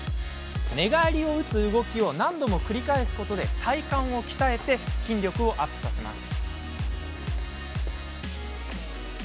寝返りを打つ動きを何度も繰り返すことで体幹を鍛えて筋力をアップさせます。